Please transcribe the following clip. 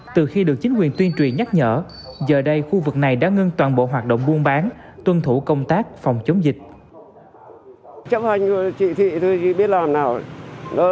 từ khi được chính quyền tuyên truyền nhắc nhở giờ đây khu vực này đã ngưng toàn bộ hoạt động buôn bán